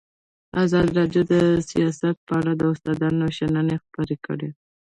ازادي راډیو د سیاست په اړه د استادانو شننې خپرې کړي.